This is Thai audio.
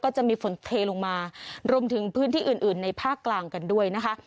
จะมีฝนเทลงมารวมถึงพื้นที่อื่นอื่นในภาคกลางกันด้วยนะคะ